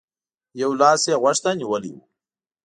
يو لاس يې غوږ ته نيولی و.